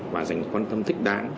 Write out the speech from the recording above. và dành quan tâm thích đáng